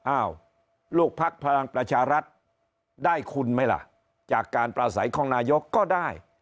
อ้าวลูกภักดิ์พลังประชารัฐได้คุณไหมล่ะจากการประสัยของนายกก็ได้